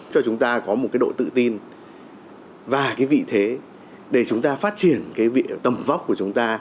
cho chúng ta có một cái độ tự tin và cái vị thế để chúng ta phát triển cái tầm vóc của chúng ta